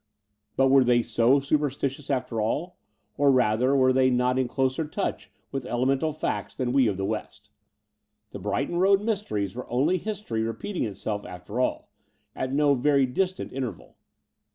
But were they so superstitious after all; or rather were they not in closer touch with elemental facts than we of the West? The Brighton Road mysteries were only history repeating itself after all — ^at no very distant interval.